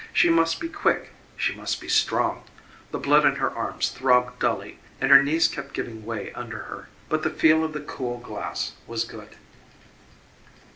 She must be quick she must be strong. The blood in her arms throbbed dully and her knees kept giving way under her, but the feel of the cool glass was good.